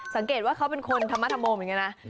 สังเกตว่าเขาเป็นคนธรรมธโมเหมือนกันนะ